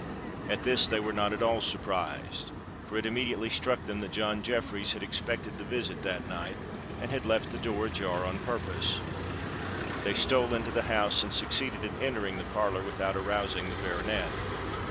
At this they were not at all surprised; for it immediately struck them that John Jeffreys had expected the visit that night, and had left the door ajar on purpose. They stole into the house, and succeeded in entering the parlour without arousing the baronet.